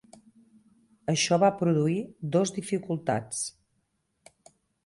Això va produir dos dificultats.